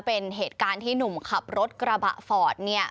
เป็นเหตุการณ์ที่หนุ่มขับรถกระบะฟอร์ดเนี่ย